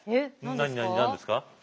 何何何ですか。